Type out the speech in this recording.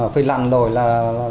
phía lặng đổi là